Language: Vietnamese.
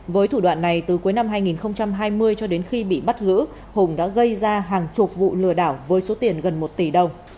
với thủ đoạn này từ cuối năm hai nghìn hai mươi cho đến khi bị bắt giữ hùng đã gây ra hàng chục vụ lừa đảo với số tiền gần một tỷ đồng